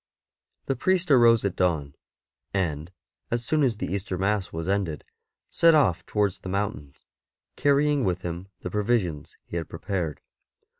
'' The priest arose at dawn, and, as soon as the Easter Mass was ended, set off towards the mountains, carrying with him the pro visions he had prepared.